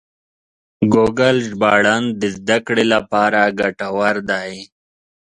ګوګل ژباړن د زده کړې لپاره ګټور دی.